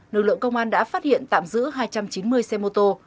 lực lượng công an đã phát hiện tạm giữ hai trăm chín mươi xe mô tô